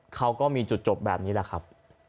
เขาก็มีจุดจบแบบนี้แหละครับ